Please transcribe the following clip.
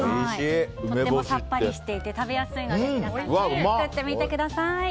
とてもさっぱりしていて食べやすいので皆さん、ぜひ作ってみてください。